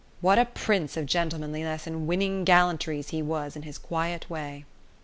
What a prince of gentlemanliness and winning gallantries he was in his quiet way!